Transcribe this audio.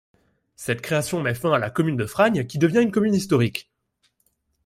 Cette création met fin à la commune de Fragnes qui devient une commune historique.